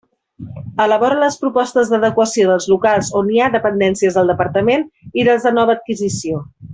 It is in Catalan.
Elabora les propostes d'adequació dels locals on hi ha dependències del Departament i dels de nova adquisició.